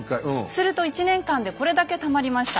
すると１年間でこれだけたまりました。